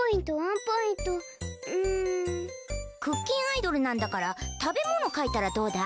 クッキンアイドルなんだからたべものかいたらどうだ？